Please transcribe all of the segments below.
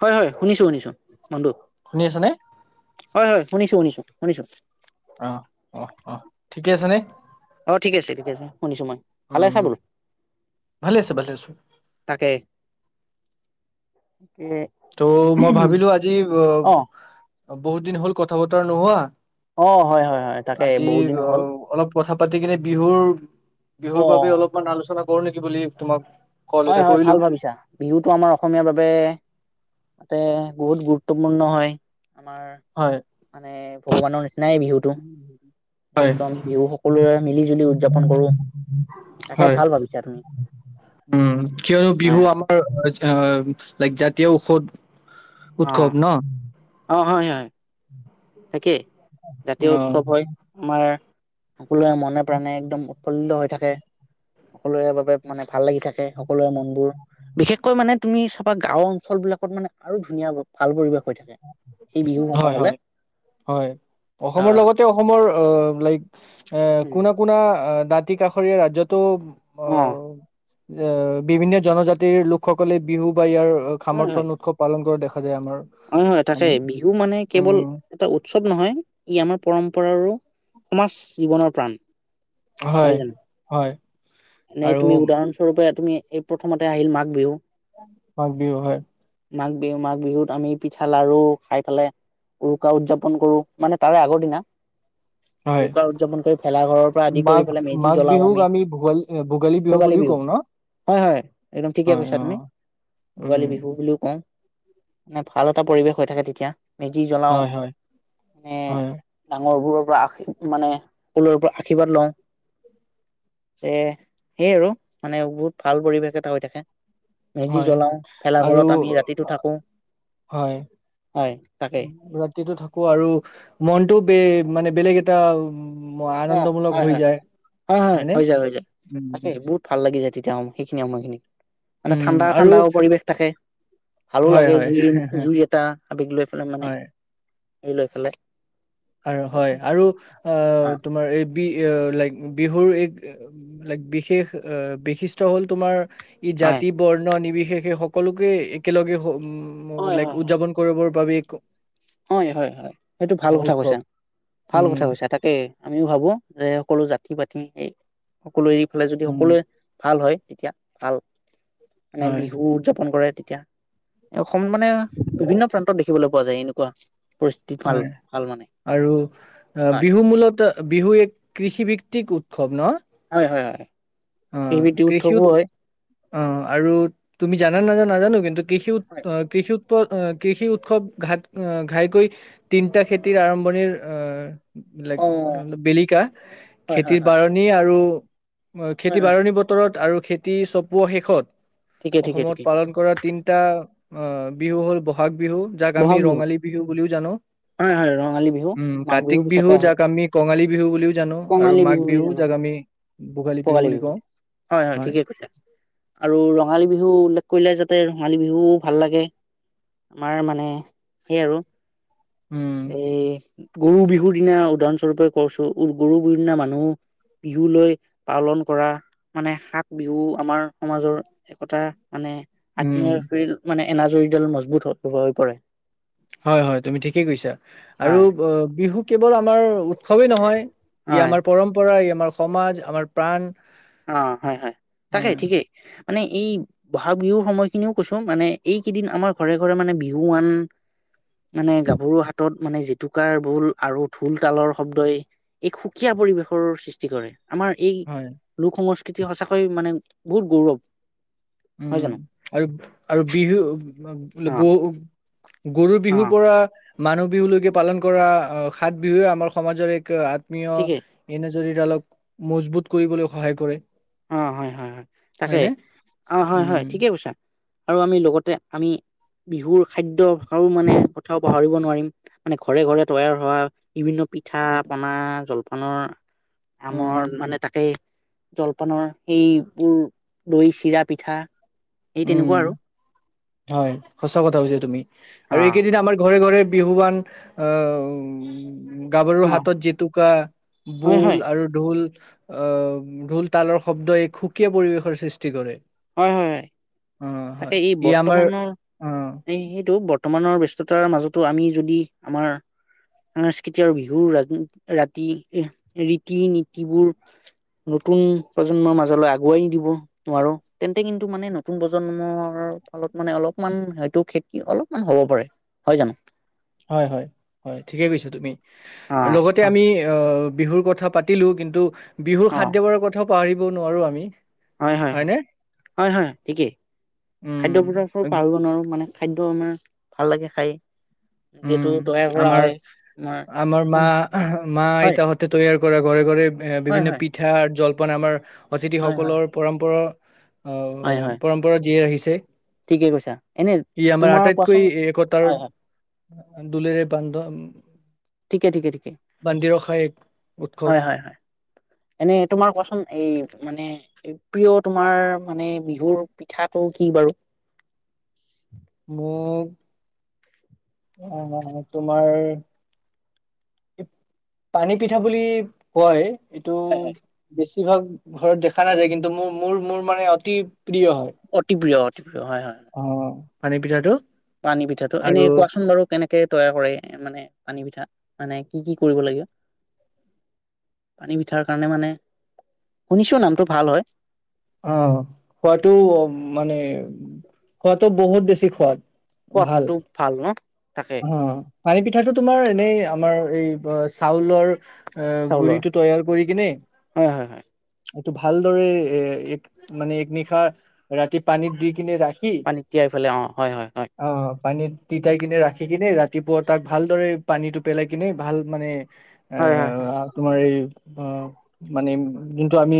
হয় হয় শুনিছো শুনিছো, বন্ধু। শুনি আছ নে? হয় হয় শুনিছোঁ শুনিছোঁ শুনিছোঁ। অ', অ', অ', ঠিকে আছে ন? অ ঠিক আছে, ঠিকে আছে শুনিছোঁ মই, ভালে উম, আছা বুলো? ভালে আছো, ভালে আছো। তাকেই তো মই ভাবিলো আজি অ বহুত দিন হল কথা বতৰা নোহোৱা অ' হয় হয় হয়, তাকে, আজি বহুত দিন হ'ল অ' অলপ কথা পাতি কিনে বিহুৰ বিহুৰ অ বাবে অলপমান আলোচনা কৰু নেকি বুলি, তোমাক কল হয় এটা হয়, কৰিলো। ভাল ভাবিছা। বিহুতটো আমাৰ অসমীয়াৰ বাবে তাতে বহুত গুৰুত্বপূৰ্ণ হয়। আমাৰ হয়, মানে ভগৱানৰ নিচিনাই বিহুটো। হয়, হয়, উ'ম, কিয়নো হয় বিহু হয় আমাৰ ল জ [unintelligible] তেও ঔষধ উৎসৱ ন? অঁ, হয় হয়। তাকে [unintelligible] জাতীয় অ', উৎসৱ হয়, আমাৰ সকলোৰে মনে প্ৰাণে একদম উৎফুল্ল হৈ থাকে সকলোৰে বাবে মানে ভাল লাগি থাকে সকলোৰে মন বোৰ, বিশেষকৈ মানে তুমি চাবা গাঁওৰ অঞ্চল বিলাকত মানে আৰু ধুনীয়া ভাল পৰিবেশ হৈ থাকে, এই বিহু হয়, সমূহ হয়, হ'লে। হয় অসমৰ আহ লগতে অসমৰ মৰ অ লাইক অঁ কুনা কুনা দাঁতি কাষৰীয়া ৰাজ্যতো অ অঁ। এ বিভিন্ন জনজাতিৰ লোকসকলে বিহু বা ইয়াৰ হয় সামৰ্থন হয় উৎসৱ পালন কৰা দেখা দেখা যায় আমাৰ। [inaudible] তাকেই, বিহু মানে কেৱল উম এটা উৎসৱ নহয় ই আমাৰ পৰম্পৰা ম্পৰাৰো, সমাজ জীৱনৰ প্ৰাণ। হয় হয়। এনেই আৰু তুমি উদাহৰণস্বৰূপে তুমি এই প্ৰথমতে আহিল মাঘ বিহু। মাঘ বিহু হয়। মাঘ বিহু- মাঘ বিহুত আমি পিঠা লাৰু খাই পালে উৰুকা উদযাপন কৰো মানে তাৰে আগৰ দিনা হয় উৰুকা উদযাপন কৰি ভেলা ঘৰৰ পৰা আদি কৰি মাঘ পেলাই মেজি মাঘ জ্বলাও বিহুক আমি। ভোগালী ভোগালী বুলিও বিহু, কওঁ ন হয়- হয় একদম ঠিকে হয় কৈছা অ তুমি, ভোগালী উম বিহু বুলিও কওঁ। মানে ভাল এটা পৰিৱেশ হৈ থাকে তেতিয়া। মেজি জ্বলাওঁ, হয় হয় মানে হয় ডাঙৰবোৰৰ পৰা আশ মানে কলৰ পৰা আশীৰ্বাদ লয়। এ সেই আৰু মানে বহুত ভাল পৰিৱেশ এটা হৈ থাকে। মেজি হয় জ্বলাও আৰু ভেলাঘৰত আমি ৰাতিটো থাকো হয় হয় তাকেই ৰাতিটো থাকো আৰু মনটো বে মানে বেলেগ এটা অঁ আনন্দমূলক হয় হৈ হয়- যায় হয়-হয় হয়নে হৈ যায়- হৈ যায়, উম তাকেই বহুত ভাল লাগি যায় তেতি হয় সেইখিনি সময়খিনি। মানে উম ঠাণ্ডা আৰু ঠাণ্ডাও পৰিৱেশ থাকে, ভালো হয় লাগে হয় জুই -জুই এটা আবেগ লৈ পেলাই মানে হয় [unintelligible] লৈ পেলে আৰু হয় আৰু অঁ অঁ তোমাৰ এই বি লাইক বিহুৰ এক লাইক বিশেষ বিশিষ্ট্ হ'ল তোমাৰ ই হয় জাতি বৰ্ণ নিৱ সেই সকলোকে একেলগে উম হয় হয় লাইক হয় উদযাপন কৰিব ভাৱি একো হয় হয় হয় সেইটো ভাল কথা ক কৈছা ভাল উম কথা কৈছা তাকে আমিও ভাবো যে সকলো জাতি পাতি স সকলো এৰি ফালে যদি উম সকলোৱে ভাল হয়। এতিয়া ভাল মানে হয় বিহু উদযাপন কৰে তেতিয়া অসম মানে বিভিন্ন প্ৰান্তত দেখিবলৈ পোৱা যায় এনো কোৱা হয় আৰু হয় বিহু মূলত বিহু এক কৃষিভিত্তিক খব ন হয়, হয়, হয়। এই কৃষি ভিত্তিক হৰই অঁ আৰু তুমি জানা নাজান নাজানো কিন্তু কৃষিক হয় অঁ কৃষিক কৃষি উৎসৱ ঘাট অঁ ঘাইকৈ তিনিটা খেতিৰ আৰম্ভণিৰ অঁ বিলাক অ বেলিকা হয় হয় খেতিৰ হয় বাৰনী আৰু খেতি হয় হয় বাৰণি বতৰত আৰু খেতি চপোৱা শেষত ঠিকে ঠিকে অসমত ঠিকে পালন কৰা তিনটা অঁ বিহু হ'ল, বহাগ বিহু বিহু যাক আমি ৰঙালী বিহু বুলিও জানো হয় হয় ৰঙালী বিহু উম মাঘ কাতিক বিহুৰ বিহু পিছতে আহে যাক আমি কঙালী বিহু বুলিও জানো আৰু কঙালী মাঘ বুলি বিহু জানো যাক আমি ভোগালী ভোগালী বিহু বুলি হয় হয় ঠিকেই কৈছে আৰু ৰঙালী বিহু উল্লেখ কৰিলে যাতে তাতে ৰঙালী বিহু ভাল লাগে আমাৰ মানে সেই আৰু উম গৰু বিহুৰ দিনা উদাহৰণ সস্বৰূপে কৰছো গৰু বিহুৰ দিনা মানুহ বিহু লৈ পালন কৰা মানে বিহু আমাৰ সমাজৰ একতা মানে উম আত্মীয় মানে এনাজৰীডাল মজবুত হৈ হব পৰে। হয় হয়, তুমি ঠিকেই কৈছা, আৰু হয় বিহু কেৱল আমাৰ উৎসৱেই নহয়, ই হয় আমাৰ পৰম্পৰা, ই আমাৰ সমাজ, আমাৰ প্ৰাণ অঁ, হয় হয়, তাকেই হয় ঠিকেই মানে এই বহাগ বিহুৰ সময়খিনিও কৈছো, মানে এইকেইদিন আমাৰ ঘৰে ঘৰে মানে বিহুৱুৱান মানে গাভৰুৰ হাতত মানে জেতুকাৰ ভোল আৰু ঢোল তালৰ শব্দই, এক সুকীয়া পৰিৱেশৰ সৃষ্টি কৰে। আমাৰ এই হয় সংস্কৃতি সঁচাকৈ মানে, বহুত গৌৰৱ। হয় উম জানো আৰু আৰু বিহু, [unintelligible] অ গ গৰু অ বিহুৰ পৰা মানুহ বিহুলৈকে পালন কৰা, অ' সাত বিহুৱে আমাৰ সমাজৰ এক ঠিকেই আ্মীয় এনে যৰি ডালক মজবুত কৰিবলৈ সহায় কৰে। অ, হয়-হয়-হয়, তাকে হয়নে অ, হয়-হয়, উম ঠিকে কৈছা। আৰু আমি লগতে, আমি বিহুৰ খাদ্য় মানে কথাও পাহৰিব নোৱাৰিম, মানে ঘৰে ঘৰে তৈয়াৰ হোৱা বিভিন্ন পিঠা, উম পনা, জলপ আনৰ উম আমৰ মানে তাকেই জলপ পানৰ সেইবোৰ, দৈ চিৰা, পিঠা এই তেনেকুৱা উম। আৰু। হয়, সঁচা কথা কৈছ তুমি, আৰু অ এইকেইদিন আমাৰ ঘৰে ঘৰে বিহুৱান, অ' ম'ম গাভৰুৰ অ হাতত জেতুকা, হয় হয় বোল, আৰু ঢোল আহ, ঢোল তালৰ শব্দ এক সুকীয়া পৰিৱেশৰ সৃষ্টি কৰে। হয় হয় হয় [unintelligible] অ তাকে হয় এই ই বৰ আমাৰ তোমানৰ, অ এই সেইটো বৰ্তমানৰ ব্স্ততাৰ মাজতো আমি যদি, আমাৰ, সস্কৃতি আৰু বিহু ৰাতি, ৰীতি নীতিবোৰ, নতুন প্ৰজন্মৰ মাজলৈ আগুৱাই দিব নোৱাৰো, তেন্তে কিন্তু মানে নতুন প্ৰজ প্ৰজন্মৰ ফলত মানে অলপমান হয়তো খেতি অলপমান হ'ব পাৰে হয় জানো। হয় হয়- হয় ঠিকেই কৈছা তুমি। অ লগতে হয় আমি অ বিহুৰ কথা পাতিলো, কিন্তু বিহুৰ অ খাদ্যবোৰৰ কথাও পাহৰিব নোৱাৰোঁ আমি। হয় হয়- হয়- হয়নে হয় -হয় ঠিকেই, উম খাদ্য পজাৰ পাহৰিব নোৱাৰো মানে খাদ্য আমাৰ ভাল লাগে খাই। যিহেতু উম, তৈয়াৰ কৰা আমাৰ- হয় আমাৰ মা- মা হয় আইতাহতে তৈয়াৰ কৰে ঘৰে- ঘৰে এ হয় হয় বিভিন্ন হয় পিঠা জল পান আমাৰ হয় হয় অতিথিসকলৰ পৰম্পৰা অঁ, হয় অ হয় পৰম্পৰা জীয়াই ৰাখিছে। ঠিকে কৈছা, এনে ই আমাৰ তোমাৰ কোৱাচোন হয় হয়। দুলেৰে পান্ধ ঠিকে ঠিকে- ঠিকে, উৎসৱ হয় হয়- হয়। এনে তোমাৰ কোৱাচোন, এই মানে প্ৰিয় তোমাৰ মানে বিহুৰ পিঠাটো কি বাৰু। মোৰ আহ তোমাৰ পানী পিঠা বুলি কয়। এইটো হয় হয় বেছিভাগ ঘৰত দেখা নাযায়, কিন্তু মোৰ মোৰ- মোৰ মানে অতি প্ৰিয় হয় অতি প্ৰিয় অতি হয় হয়। অ পানী পিঠাটো পানী পিঠাটো এনে আৰু কোৱাচোন বাৰু কেনেকে তৈয়াৰ কৰে মানে পানী পিঠা মানে কি কি কৰিব লাগে, পানী পিঠাৰ কাৰণে মানে, শুনিছো নামটো ভাল হয়। অঁ খোৱাটো মানে খোৱাটো বহুত বেছি সোৱাদ। ভাল, সোৱাদটো ভাল ন তাকে অঁ পানী পিঠাটো তোমাৰ এনেই আমাৰ এই চাউলৰ এ চাউলৰ গুড়িটো তৈয়াৰ কৰি কিনে হয় হয় হয় এইটো ভালদৰে এ এক মানে এক নিশা ৰাতি পানীত দি কিনে ৰা পানীত তিয়াই পেলাই, অঁ, হয় হয়- হয়। পানীত তিতাই কিনে ৰাখি কিনে, ৰাতিপুৱা তাক ভালদৰে, পানীটো পেলাই কিনে, ভাল মানে এ, হয় হয় তোমাৰ এই অঁ, মানে যোনটো আমি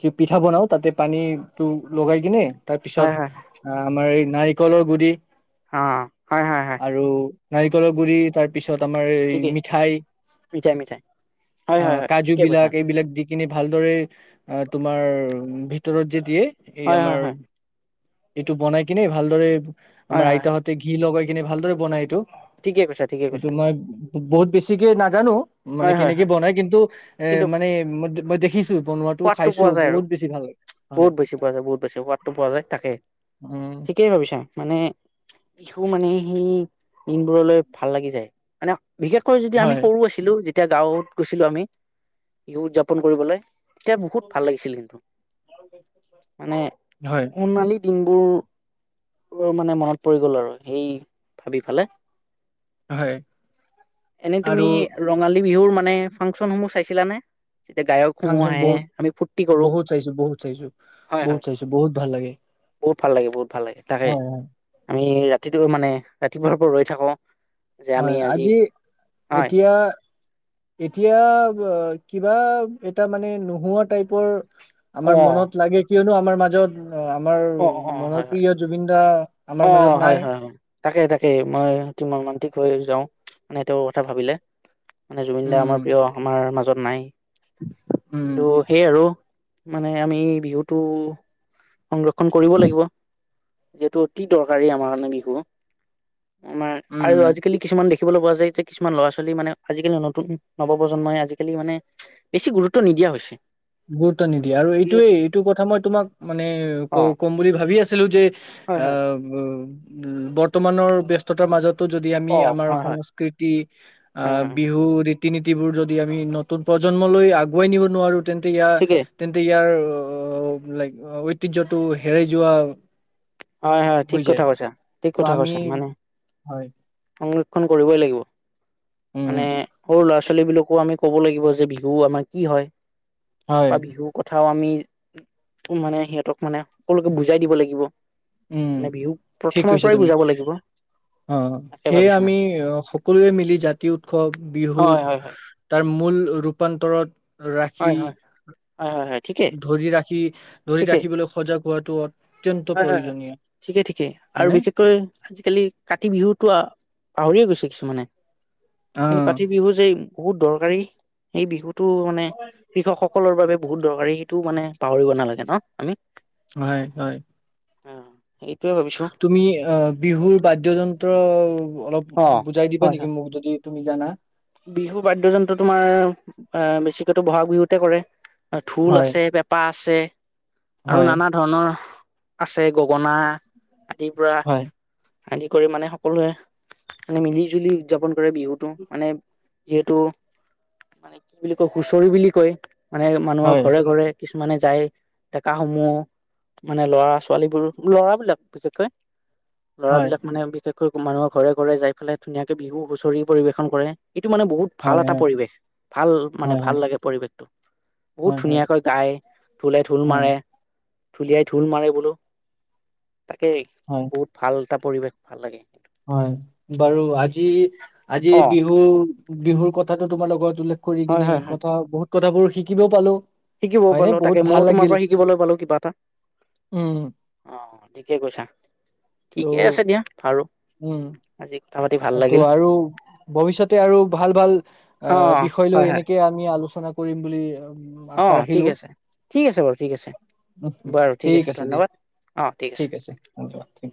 কি, পিঠা বনাও তাতে পানী টো, লগাই কিনে তাৰপিছত হয় হয় হয় আ আমাৰ এই নাৰিকলৰ গুডি অ' হয় হয় হয়। নাৰিকলৰ গুডৰি, তাৰ পিছত তমাৰ এই ঠিকেই মিঠাই, মিঠাই মিঠাই হয় হয় অঁ হয় কাজু ঠিকে কৈছা বিলাক এইবিলাক দি কিনি ভালদৰে, তোমাৰ ভিতৰত যি দিয়ে এই হয় হয় আমাৰ হয় এইটো বনাই কিনে, ভালদৰে হয় আমাৰ হয় আইতা হাতে ঘি লগাই কিনে ভালদৰে বনায় এইটো। ঠিকে কৈছা ঠিকে সেইটো কৈছা মই, বহুত বেছিকে নাজানো মানে হয় হয় কেনেকে হয় বনাই কিন্তু, এ কিন্তু মানে, মই দেখিছো, বনোৱাাতো সোৱাদটো খাইছো, পোৱা যায় আৰু বহুত বেছি ভাল লাগে। হয় বহুত বেছি পোৱা যায়, বহুত বেছি, সোৱাদটো পোৱা যায়, তাকে, উম ঠিকেই ভাবিছা মানে বিহু মানে, সেই দিনবোৰলৈ ভাল লাগি যায়, মানে বিশেষকৈ যদি আমি হয় সৰু আছিলো যেতিয়া গাঁৱত গৈছিলো আমি, শিহু উদযাপন কৰিবলৈ এতিয়া বহুত ভাল লাগিছিল কিন্তু, মানে হয় সণালী বোৰ মোৰ মানে মনত পৰি গ'ল আৰু, সেই ভাবি ফালে। হয়, এনে তুমি আৰু ৰঙালী বিহুৰ মানে, ফাংচনসমূহ চাইছিলানে? যেতিয়া গায়কসমূহ ফাংচন আহে বহুত, আমি ফূৰ্তি কৰো বহুত চাইছো, বহুত চাইছো, বহুত চাইছো, বহুত ভাল লাগে। বহত ভালাগ, বহুত। ভাল লাগে, তাকেই। হয় হয় আমি ৰাতিটো মানে, ৰাতিপুৱাৰ পৰা ৰৈ থাকো যে আমি হয়, আজি হয় এতিয়া এতিয়া, কিবা এটা মানে নোহোৱা টাইপৰ অ আমাৰ মনত লাগে কিয়নো আমাৰ মাজত অঁ আমাৰ মনপ্ৰিয় জুবিন দা আমাৰ অঁ মাজত হয় নাই হয় হয় তাকে তাকে মই অতি মৰ্মান্তিক হৈ যাওঁ মানে সেইটো কথা ভাবিলে। মানে জুবিনদাৰ উম আমাৰ প্ৰিয় আমাৰ মাজত নাই উম কিন্তু সেইয় আৰু মানে আমি বিহুটো সংৰক্ষণ কৰিব লাগিব। যিহেতু কি দৰকাৰী আমাৰ কাৰণে বিহু? আমাৰ আৰু উম আজিকালি কিছুমান দেখি দেখিবলৈ পোৱা যায় যে কিছুমান ল'ৰা ছোৱালী মানে আজিকালি নতুন নৱ প্ৰজন্মই আজিকালি মানে বেছি গুৰুত্ব নিদিয়া হৈছে। গুৰুত্ব নিদিয়ে আৰু এইটোয়ে এইটো কথা মই তোমাক ম মান অ ক-কম বুলি ভাবি আছো ছিলো যে হয় হয় অঁ, উম বৰ্তমানৰ ব্যস্ততাৰ মাজত যদি আমি অ আমাৰ হয় হয় সংস্কৃতি হয় হয় হয় বিহু ৰীতি নীতিবোৰ যদি আমি নতুন প্ৰজন্মলৈ আগুৱাই নিব নোৱাৰো তেন্তে ইয়াৰ ঠিকেই তেন্তে ইয়াৰ অঁ লাইক ঐতিহ্যটো হেৰাই যোৱা হয় হয় হৈ ঠিক কথা যায় কৈছা ঠিক ত' কথা আমি কৈছা মানে হয় কৰিবই লাগিব উম মানে সৰু লৰা ছোৱালী ল'ৰা ছোৱালী বিলাকো আমি ক'ব লাগিব যে বিহু আমাৰ কি হয় হয় বা বিহুৰ কথা চও আমি মানে সিহঁতক মানে সকলোকে বুজাই দিব লাগিব উম মানে বিহু ঠিক প্ৰথমৰ কৈছা পৰাই তুমি বুজাব লাগিব অঁ তাকে সেয়ে ভাবিছো আমি মই সকলোৱে মিলি জাতি উৎসৱ বিহু হয় হয় হয় তাৰ মূল ৰূপান্তৰত ৰাখি হয় হয় হয় হয় হয়। ঠিকেই ধৰি ৰাখি ধৰি ঠিকেই ৰাখিবলৈ সজাগ পোৱাটো হয় হয় হয় ঠিকেই ঠিকেই আৰু হয়নে বিশেষকৈ আজিকালি কাতি বিহুতো পাহৰিয়ে গৈছে কিছুমানে অ কিন্তু কাতি বিহু যে বহুত দৰকাৰী সেই বিহুত টো মানে কৃষকসকলৰ বাবে বহুত দৰকাৰী সেইটো মানে পাহৰিব নালাগে ন আমি হয় হয় হ [unintelligible] তুমি অঁ বিহুৰ বাদ্যযন্ত্ৰ অলপ অ বুজাই দিবা হয় নেকি হয় মোক যদি তুমি জানা বিহু বাদ্যযন্ত্ৰ তোমাৰ বেছিকো বহাগ বিহুতে কৰে ঢোল হয় আছে পেঁপা আছে আৰু হয় নানা ধৰণৰ আছে গগনা আদিৰ পৰা হয় আদি কৰি মানে সকলোৱে মানে মিলি জুলি উদযাপন বিহুতটো মানে যিহেতু মানে কি বুলি কয় হুচৰি বুলি কয়। মানে মানুহৰ হয় ঘৰে ঘৰে কিছুমানে যায়। ডেকা সমূহ মানে লৰা ছোৱালীবোৰ ল'ৰাবিলাক বিশেষকৈ হয় ল'ৰাবিলাক মানে বিশেষ মানুহৰ ঘৰে ঘৰে যাই পেলাই ধুনীয়াকে বিহু হুঁচৰি পৰিবেশন কৰে এইটো মানে বহুত ভাল হয় এটা হয় পৰিৱেশ ভাল মানে হয় ভাল হয় লাগে পৰিৱেশ বহুত হয় ধুনীয়াকৈ গায় ঢোলেে ঢোল হয় মাৰে হয় ঢুলিয়াই ঢুল মাৰে বোলো তাকেই হয় বহুত ভাল এটা পৰিৱেশ ভাল লাগে হয় বাৰু আজি আজি অ বিহু বিহুৰ কথাটো তোমাৰ লগত কৰি হয় কিনে কথা বহুত কথাবোৰ শিকিবও পালোঁ শিকিবও পালো তাকে ময়ও তোমাৰ পৰা শিকিবলৈ পালো কিবা এটা উম অঁ ঠিকে কৈছা ঠিকে ত' আছে দিয়া বাৰু, উম আজি কথা পাতি ভাল ত লাগিল আৰু ভৱিষ্যতে আৰু ভাল- ভাল অ আহ বিষয় লৈ এনেকে আমি আলোচনা কৰিম বুলি উম, আশা অঁ ৰাখিলো ঠিক আছে ঠিক আছে বাৰু ঠিক আছে বাৰু ঠিক আছে ধন্যবাদ, অ ঠিক আছে। ধন্যবাদ থেংক ইউ।